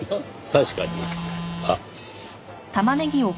確かに。